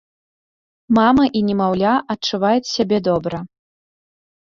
Мама і немаўля адчуваюць сябе добра.